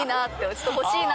ちょっと欲しいな。